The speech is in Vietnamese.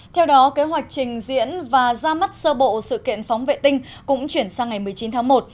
theo đó kế hoạch trình diễn và ra mắt sơ bộ sự kiện phóng vệ tinh cũng chuyển sang ngày một mươi chín tháng một